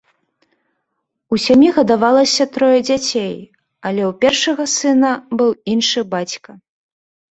У сям'і гадавалася трое дзяцей, але ў першага сына быў іншы бацька.